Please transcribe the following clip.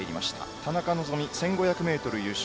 田中希実は１５００優勝。